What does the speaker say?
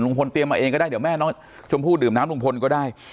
เตรียมมาเองก็ได้เดี๋ยวแม่น้องชมพู่ดื่มน้ำลุงพลก็ได้